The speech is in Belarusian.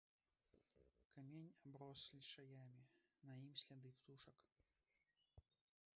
Камень аброс лішаямі, на ім сляды птушак.